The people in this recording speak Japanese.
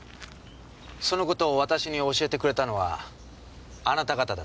その事を私に教えてくれたのはあなた方だったんです。